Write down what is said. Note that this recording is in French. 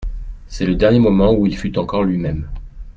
C'est le dernier moment où il fut encore lui-même.